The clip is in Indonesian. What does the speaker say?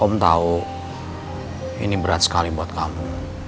om tahu ini berat sekali buat kamu